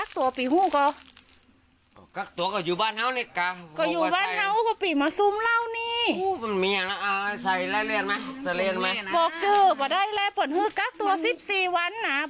ตัวมันจะสูงเลยนะคะ